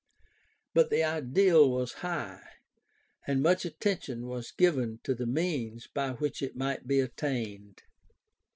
But the ideal was high, and much attention was given to the means by which it might be attained.